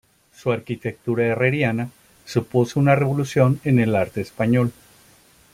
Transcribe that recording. Su arquitectura herreriana supuso una revolución en el arte español.